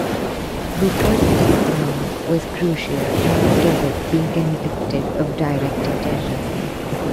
Rupert's testimony was crucial in McKevitt being convicted of directing terrorism.